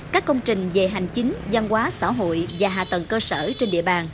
các công trình về hành chính gian hóa xã hội và hạ tầng cơ sở trên địa bàn